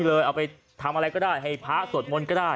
เอาไปทำอะไรก็ได้ให้พระสวดมนต์ก็ได้